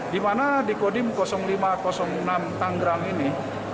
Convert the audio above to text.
di mana di kodim lima ratus enam tanggerang ini